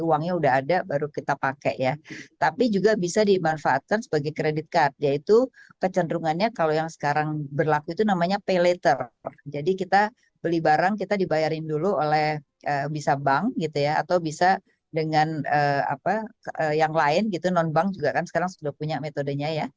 atau bisa dengan yang lain non bank juga kan sekarang sudah punya metodenya